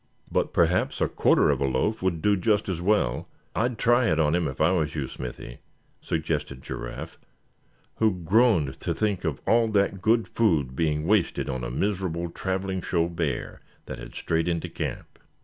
"But perhaps a quarter of a loaf would do just as well; I'd try it on him if I was you, Smithy," suggested Giraffe; who groaned to think of all that good food being wasted on a miserable traveling show bear that had strayed into camp.